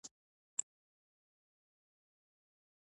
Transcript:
له هغه څخه ډېر لیري نه دی.